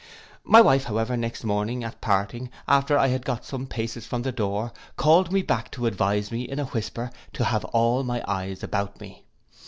My wife, however, next morning, at parting, after I had got some paces from the door, called me back, to advise me, in a whisper, to have all my eyes about me.